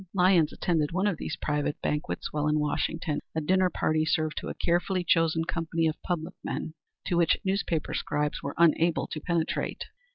Lyons attended one of these private banquets while in Washington a dinner party served to a carefully chosen company of public men, to which newspaper scribes were unable to penetrate.